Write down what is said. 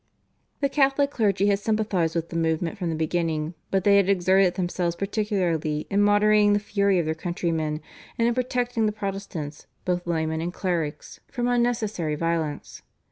The Catholic clergy had sympathised with the movement from the beginning, but they had exerted themselves particularly in moderating the fury of their countrymen, and in protecting the Protestants, both laymen and clerics, from unnecessary violence.